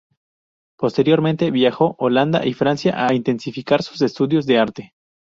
Posteriormente, viajó Holanda y Francia a intensificar sus estudios de arte.